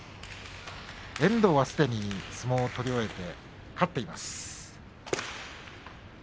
遠藤は相撲を取り終えて勝っています。